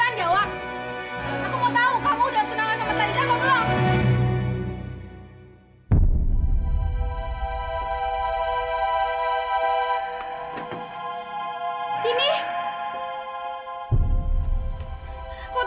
aku mau tahu kamu udah tunangan sama talita atau belum